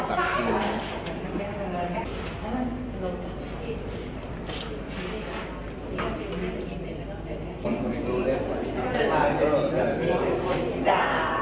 สุดท้ายก็ไม่มีเวลาที่จะรักกับที่อยู่ในภูมิหน้า